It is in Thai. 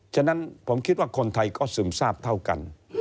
ฉะนั้นผมคิดว่าคนไทยก็ซึมทราบเท่ากัน